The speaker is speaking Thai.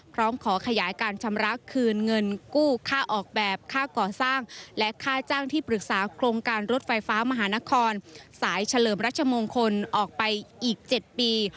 พร้อมขอขยายการชำระคืนเงินกู้ค่าออกแบบค่าก่อสร้างและค่าจ้างที่ปรึกษาโครงการรถไฟฟ้ามหานครสายเฉลิมรัชมงคลออกไปอีก๗ปี